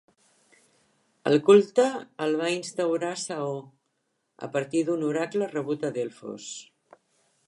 El culte el va instaurar Saó, a partir d'un oracle rebut a Delfos.